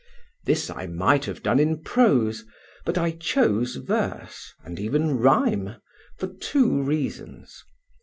This I might have done in prose, but I chose verse, and even rhyme, for two reasons.